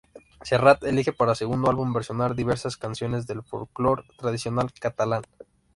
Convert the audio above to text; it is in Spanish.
Serrat elige para su segundo álbum versionar diversas canciones del folklore tradicional catalán.